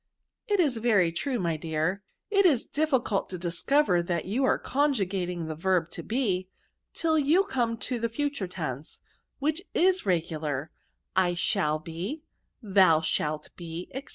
'* It is very true, my dear.; it is difficult to discover that you are conjugating the verb to be, till you come to the future tense, whidi is regvliur— I shall be, thou shalt be, &c.